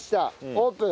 オープン。